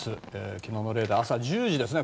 昨日のレーダー朝１０時ですね。